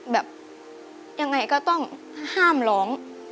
แบบยังไงก็ต้องห้ามร้อง